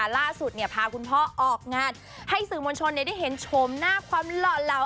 ล่าสุดพาคุณพ่อออกงานให้สื่อมวลชนได้เห็นโฉมหน้าความหล่อเหลา